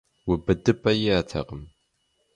УбыдыпӀэ иӀэтэкъым.